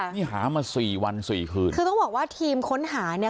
นี่หามาสี่วันสี่คืนคือต้องบอกว่าทีมค้นหาเนี่ย